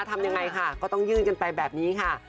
ทำยังไงค่ะก็ต้องยื่นกันไปแบบนี้ค่ะ